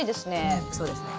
うんそうですね。